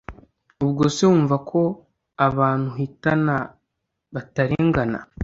ubwo se wumva ko abantu uhitana batarengana